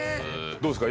どうですか？